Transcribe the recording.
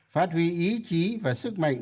phát huy ý chí và sức mạnh